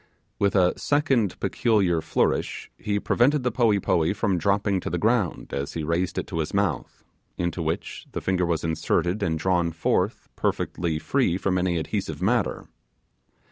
With a second peculiar flourish he prevented the poee poee from dropping to the ground as he raised it to his mouth, into which the finger was inserted and drawn forth perfectly free from any adhesive matter.